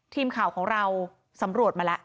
ทีมข่าวของเราสำรวจมาแล้ว